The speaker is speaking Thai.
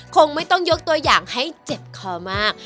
คงไม่ต้องยกตัวอย่างให้เจ็บคอมาก